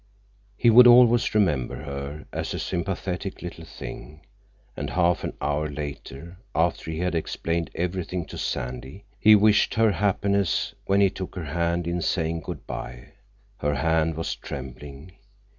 He would always remember her as a sympathetic little thing, and half an hour later, after he had explained everything to Sandy, he wished her happiness when he took her hand in saying good by. Her hand was trembling.